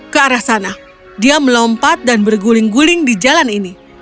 ke arah sana dia melompat dan berguling guling di jalan ini